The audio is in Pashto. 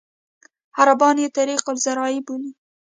عربان یې طریق الزراعي بولي.